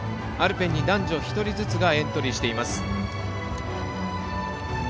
アルペンに男女１人ずつがエントリーしています。